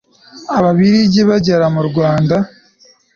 ababiligi bagera mu rwanda